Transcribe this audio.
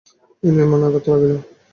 বিনয়ের মনে আঘাত লাগিল।